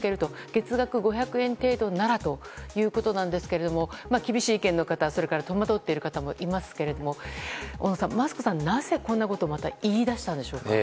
月額５００円程度ならということなんですが厳しい意見の方戸惑っている方もいますけれども小野さん、マスクさんはまた、なぜこんなことを言い出したんでしょうか。